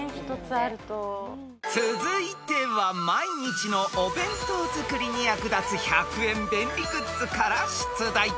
［続いては毎日のお弁当作りに役立つ１００円便利グッズから出題］